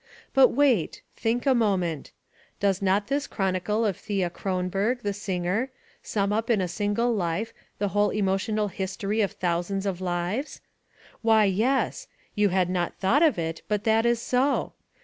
But wait think a moment. Does not this chronicle of Thea Kronberg, the singer, sum up in a single life the whole emotional history of thousands of lives? Why, yes; you had not thought of it but that is so!